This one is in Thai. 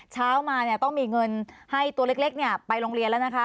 เช้ามาต้องมีเงินให้ตัวเล็กไปโรงเรียนแล้วนะคะ